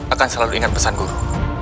akan selalu ingat pesan guru